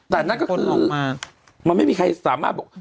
แต่นั่นก็คือมันไม่มีใครสามารถบอก